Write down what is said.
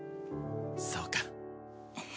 そうか。